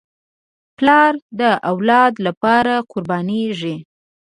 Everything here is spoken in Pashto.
پلار د اولاد لپاره قربانېږي.